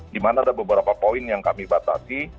dimana ada beberapa poin yang kami batasi